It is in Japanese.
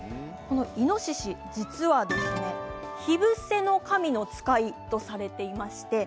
イノシシ実は火伏せの神の使いとされていまして、